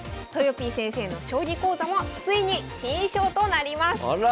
ぴー先生の将棋講座もついに新衣装となりますあら！